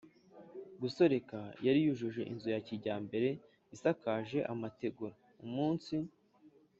gusoreka. Yari yujuje inzu ya kijyambere isakaje amategura. Umunsi